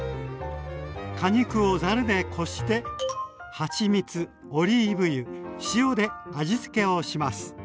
果肉をざるでこしてはちみつオリーブ油塩で味付けをします。